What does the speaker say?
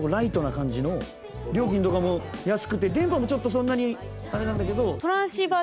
料金とかも安くて電波もちょっとそんなにあれなんだけど。